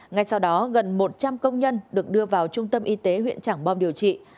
ngay sau đó gần một trăm linh công nhân được đưa vào trung tâm y tế huyện trảng bom điều trị